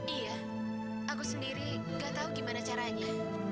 iya aku sendiri nggak tahu gimana caranya